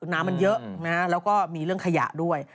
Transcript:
น้ำมันเยอะนะฮะแล้วก็มีเรื่องขยะด้วย